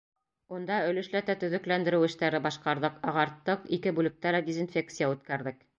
Унда өлөшләтә төҙөкләндереү эштәре башҡарҙыҡ, ағарттыҡ, ике бүлектә лә дезинфекция үткәрҙек.